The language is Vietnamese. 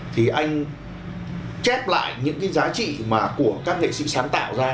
thì anh chép lại những cái giá trị mà của các nghệ sĩ sáng tạo ra